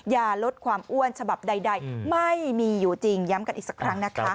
อย่าลดความอ้วนฉบับใดไม่มีอยู่จริงย้ำกันอีกสักครั้งนะคะ